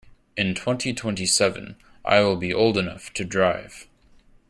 In twenty-twenty-seven I will old enough to drive.